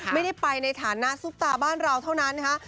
ไม่ได้ไปในฐานะซุปตาบ้านเราเท่านั้นนะคะ